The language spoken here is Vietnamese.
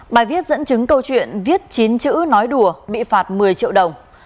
bài viết dẫn chứng câu chuyện viết chín chữ nói đùa bị phạt một mươi triệu đồng